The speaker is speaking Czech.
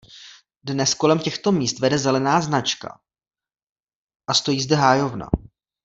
Dnes kolem těchto míst vede zelená značka a stojí zde hájovna.